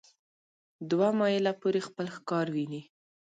دوه مایله پورې خپل ښکار ویني.